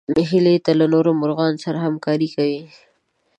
هیلۍ له نورو مرغانو سره همکاري کوي